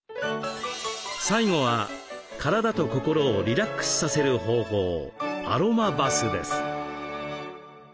最後は体と心をリラックスさせる方法アロマバスです。